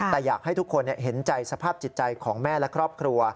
แต่อยากให้ทุกคนเห็นใจสภาพจิตใจของแม่และครอบครัว